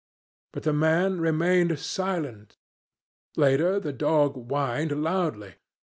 But the man remained silent. Later, the dog whined loudly.